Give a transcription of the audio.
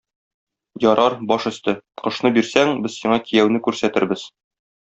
Ярар, баш өсте, кошны бирсәң, без сиңа кияүне күрсәтербез.